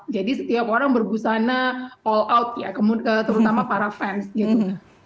jadi setiap orang berbusana all out ya terutama para fans gitu